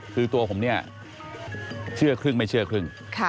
คือตัวผมเนี่ยเชื่อครึ่งไม่เชื่อครึ่ง